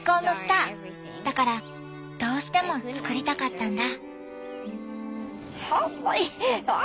だからどうしても作りたかったんだ。